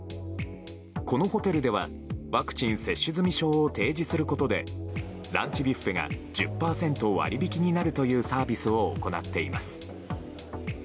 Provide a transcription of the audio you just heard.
このホテルではワクチン接種済証を提示することでランチビュッフェが１０％割引になるというサービスを行っています。